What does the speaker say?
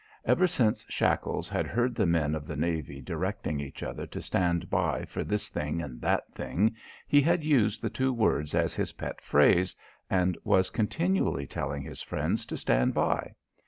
Ever since Shackles had heard the men of the navy directing each other to stand by for this thing and that thing, he had used the two words as his pet phrase and was continually telling his friends to stand by.